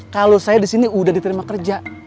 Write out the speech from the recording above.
kalau saya disini udah diterima kerja